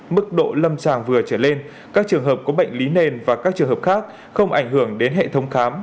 mức độ lâm sàng vừa trở lên các trường hợp có bệnh lý nền và các trường hợp khác không ảnh hưởng đến hệ thống khám